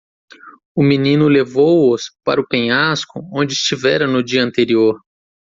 O menino levou-os para o penhasco onde estivera no dia anterior.